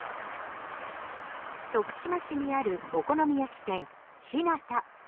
徳島市にあるお好み焼き店、ひなた。